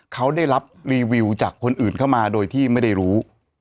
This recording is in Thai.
เขาได้รับรีวิวจากคนอื่นเข้ามาโดยที่ไม่ได้รู้